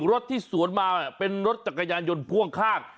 รถที่สวนมาเป็นรถจักรยานยนต์พ่วงข้าง